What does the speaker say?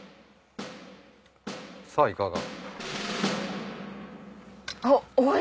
さあいかが？